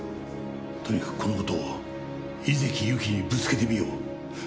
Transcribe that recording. とにかくこの事を井関ゆきにぶつけてみよう。